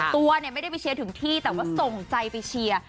ตัวเนี่ยไม่ได้ไปเชียร์ถึงที่แต่ว่าส่งใจไปเชียร์